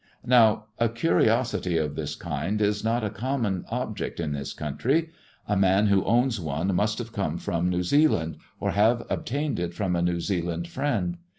Now a curiosity of this kind is not a common object in this country. A man who owns one must have come from New Zealand, or have obtained it from a New Zealand friend.